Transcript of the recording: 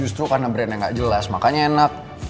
justru karena brandnya nggak jelas makanya enak